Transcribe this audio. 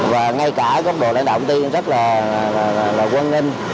và ngay cả góc bộ lãnh đạo công ty rất là quân hình